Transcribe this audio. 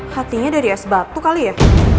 hatinya dari es batu kali ya